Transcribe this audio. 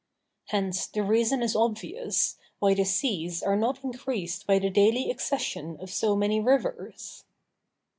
Hence the reason is obvious, why the seas are not increased by the daily accession of so many rivers.